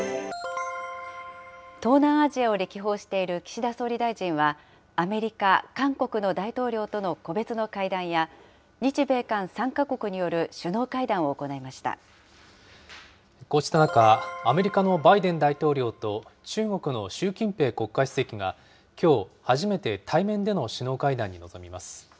東南アジアを歴訪している岸田総理大臣は、アメリカ、韓国の大統領との個別の会談や、日米韓３か国による首脳会談を行こうした中、アメリカのバイデン大統領と中国の習近平国家主席が、きょう、初めて対面での首脳会談に臨みます。